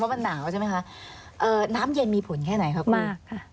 มันหนาวใช่ไหมคะน้ำเย็นมีผลแค่ไหนครับคุณมากค่ะ